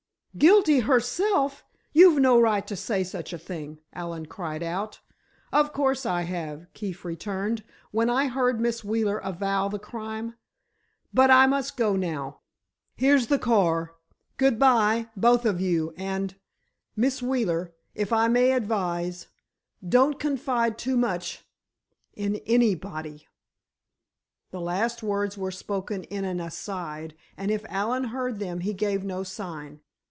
"'Guilty herself!' You've no right to say such a thing!" Allen cried out. "Of course I have," Keefe returned, "when I heard Miss Wheeler avow the crime! But I must go now. Here's the car. Good bye, both of you, and—Miss Wheeler, if I may advise, don't confide too much—in anybody." The last words were spoken in an aside, and if Allen heard them he gave no sign.